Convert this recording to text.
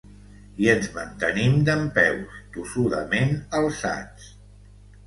I ens mantenim dempeus, tossudament alçats.